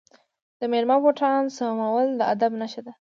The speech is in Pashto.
د میلمه بوټان سمول د ادب نښه ده.